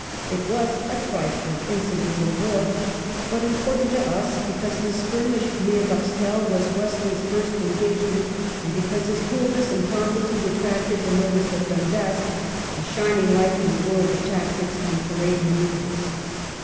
It was a trifling incident in war, but important to us, because the skirmish near Boxtel was Wesley's first engagement, and because his coolness and promptitude attracted the notice of Dundas, a shin ing light in the world of tactics and parade mancBuvres.